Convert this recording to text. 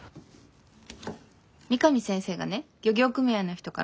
三上先生がね漁業組合の人からもらってきて。